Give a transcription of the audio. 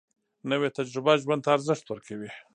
نوې تجربه ژوند ته ارزښت ورکوي